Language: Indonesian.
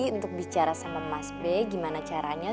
untuk bicara sama mas b gimana caranya